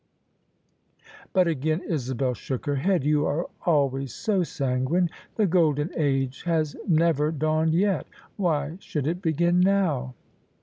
But again Isabel shook her head. "You are always so sanguine. The golden age has never dawned yet: why should it begin now